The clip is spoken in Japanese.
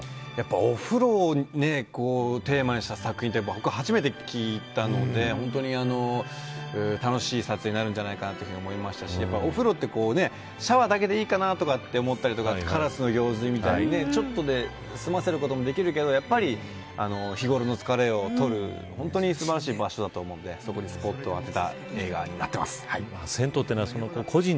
お風呂をテーマにした作品は初めて聞いたので本当に楽しい撮影になるんじゃないかと思いましたしお風呂ってシャワーだけでいいかなと思ったりカラスの行水みたいにちょっとで済ませることもできるけどやっぱり日頃の疲れを取る本当にすばらしい場所だと思うのでそこにスポットを当てた映画になっています。